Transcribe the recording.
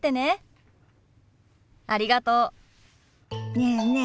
ねえねえ